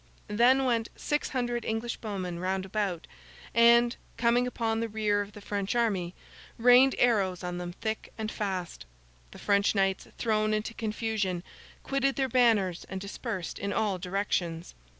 Then went six hundred English bowmen round about, and, coming upon the rear of the French army, rained arrows on them thick and fast. The French knights, thrown into confusion, quitted their banners and dispersed in all directions.